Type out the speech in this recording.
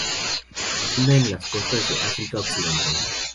Abunda en las costas de África occidental.